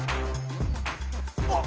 あっ！